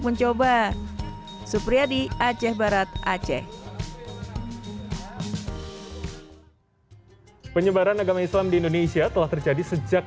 mencoba supriyadi aceh barat aceh penyebaran agama islam di indonesia telah terjadi sejak